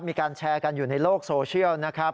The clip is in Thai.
มีการแชร์กันอยู่ในโลกโซเชียลนะครับ